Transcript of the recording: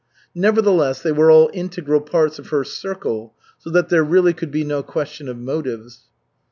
Nevertheless, they were all integral parts of her circle, so that there really could be no question of motives.